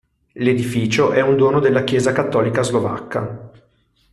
L'edificio è un dono della Chiesa cattolica slovacca.